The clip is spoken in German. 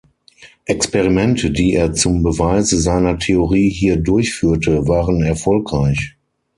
Experimente, die er zum Beweise seiner Theorie hier durchführte, waren erfolgreich.